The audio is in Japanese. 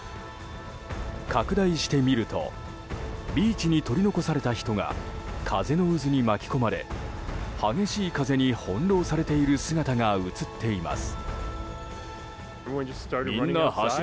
拡大してみるとビーチに取り残された人が風の渦に巻き込まれ激しい風に翻弄されている姿が映っています。